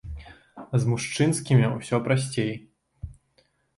З мужчынскімі усё прасцей.